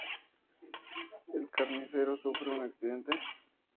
El carnicero sufre un ¿accidente?